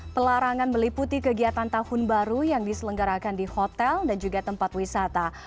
pelarangan meliputi kegiatan tahun baru yang diselenggarakan di hotel dan juga tempat wisata